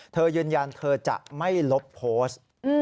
เธอยืนยันเธอจะไม่ลบโพสต์